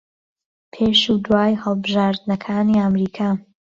پێش و دوای هەڵبژاردنەکانی ئەمریکا